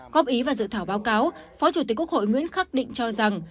góp ý và dự thảo báo cáo phó chủ tịch quốc hội nguyễn khắc định cho rằng